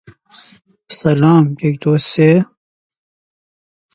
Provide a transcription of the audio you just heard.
پسرمانند